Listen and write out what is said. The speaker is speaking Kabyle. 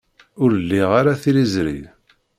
Ur liɣ ara tiliẓri.